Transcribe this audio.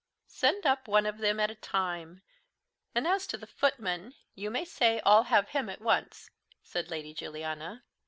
"Send up one of them at a time; and as to the footman, you may say I'll have him at once," said Lady Juliana.